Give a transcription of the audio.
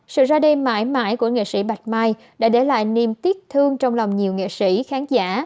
sự ra đêm mãi mãi của nghệ sĩ bạch mai đã để lại niềm tiếc thương trong lòng nhiều nghệ sĩ khán giả